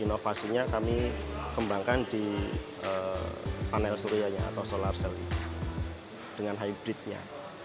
inovasinya kami kembangkan di panel suryanya atau solar celly dengan hybridnya